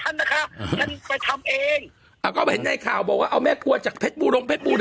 ทำอะไรไปทำเองครับโอ้ยให้การบอกว่าเอาแม่กลัวจากเพชรพุรมเพชร